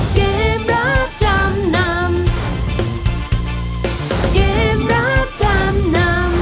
สวัสดีครับ